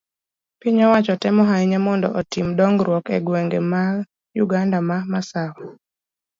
piny owacho temo ahinya mondo otim dongruok e gwenge ma Uganda ma Masawa